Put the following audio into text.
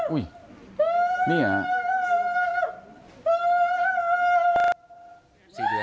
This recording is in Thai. อุ้ยนี่เหรอ